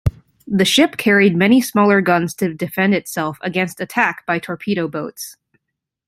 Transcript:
The ship carried many smaller guns to defend itself against attack by torpedo boats.